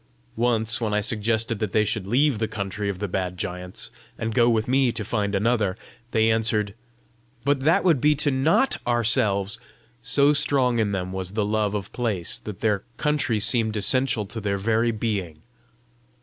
Once when I suggested that they should leave the country of the bad giants, and go with me to find another, they answered, "But that would be to NOT ourselves!" so strong in them was the love of place that their country seemed essential to their very being!